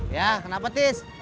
ya kenapa tis